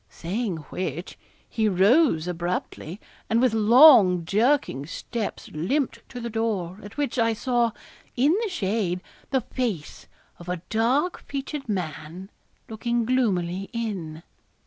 Saying which, he rose abruptly, and with long jerking steps limped to the door, at which, I saw, in the shade, the face of a dark featured man, looking gloomily in.